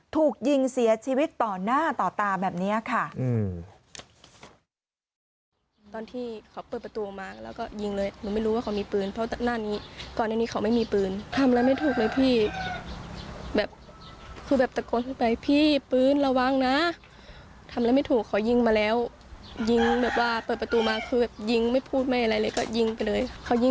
ถูกยิงเสียชีวิตต่อหน้าต่อตาแบบนี้ค่ะ